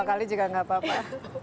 tiga puluh dua kali juga gak apa apa